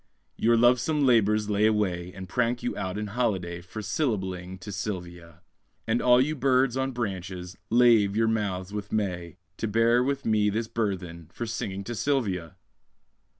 Your lovesome labours lay away, And prank you out in holiday, For syllabling to Sylvia; And all you birds on branches, lave your mouths with May, To bear with me this burthen For singing to Sylvia!